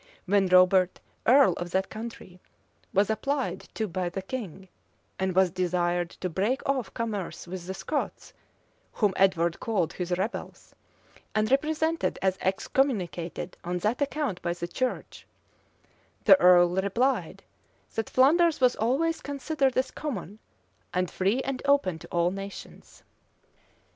When Robert, earl of that country, was applied to by the king, and was desired to break off commerce with the Scots, whom Edward called his rebels, and represented as excommunicated on that account by the church, the earl replied, that Flanders was always considered as common, and free and open to all nations.